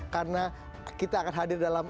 karena kita akan hadir dalam